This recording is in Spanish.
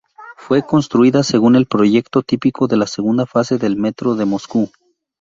Fue construida según el proyecto típico de la segunda fase del Metro de Moscú.